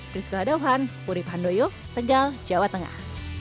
prisca ladauhan urib handoyo tegal jawa tengah